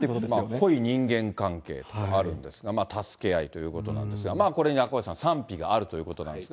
濃い人間関係あるんですが、まあ、助け合いということなんですが、これに赤星さん、賛否があるということなんですが。